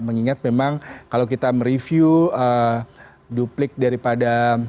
mengingat memang kalau kita mereview duplik daripada